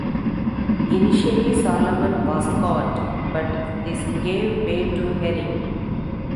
Initially salmon was caught, but this gave way to herring.